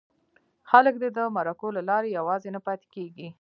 خلک دې د مرکو له لارې یوازې نه پاتې کېږي.